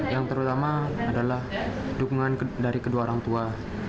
yang terutama adalah dukungan dari kedua orang tua